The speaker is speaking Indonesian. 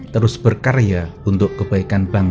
terus berkarya untuk kebaikan bangsa